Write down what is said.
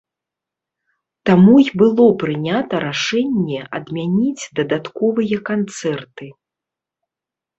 Таму і было прынята рашэнне адмяніць дадатковыя канцэрты.